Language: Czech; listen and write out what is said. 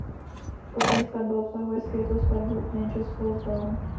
Poslední skladba obsahuje skrytou skladbu "Angels Fall Down".